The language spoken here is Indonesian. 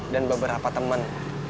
dan beberapa temen